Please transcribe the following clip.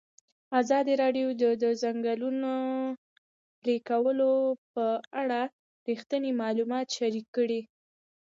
ازادي راډیو د د ځنګلونو پرېکول په اړه رښتیني معلومات شریک کړي.